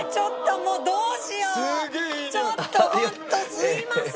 ちょっとホントすいません！